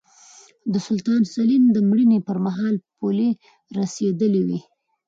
د سلطان سلین د مړینې پرمهال پولې رسېدلې وې.